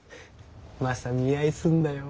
マサ見合いすんだよ。